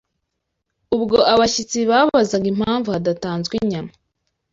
Ubwo abashyitsi babazaga impamvu hadatanzwe inyama